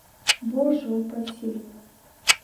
Боже-упаси!